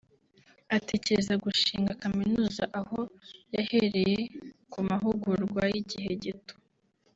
atekereza gushinga Kaminuza aho yahereye ku mahugurwa y’ighe gito